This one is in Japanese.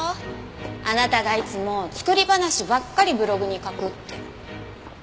あなたがいつも作り話ばっかりブログに書くって。